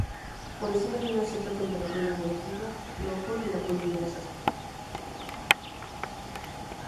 Por encima de una cierta temperatura de techo, no ocurre la polimerización.